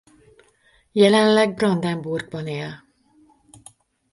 Jelenleg Brandenburgban él.